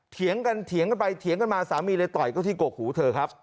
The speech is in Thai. เถียงกันเถียงกันไปเถียงกันมาสามีเลยต่อยเขาที่กกหูเธอครับ